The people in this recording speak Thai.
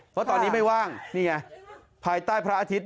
เพราะตอนนี้ไม่ว่างนี่ไงภายใต้พระอาทิตย